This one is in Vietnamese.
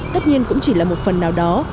tất nhiên cũng chỉ là một phần nào đó